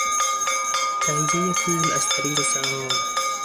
تهیهی پول از طریق سهام